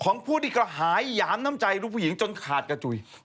ของผู้ที่กระหายหยามน้ำใจลูกผู้หญิงจนขาดกระจุย